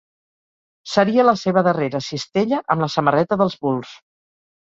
Seria la seva darrera cistella amb la samarreta dels Bulls.